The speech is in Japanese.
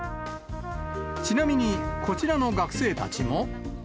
ちなみにこちらの学生たちも。